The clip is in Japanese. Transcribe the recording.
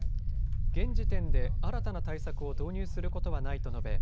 現時点で新たな対策を導入することはないと述べ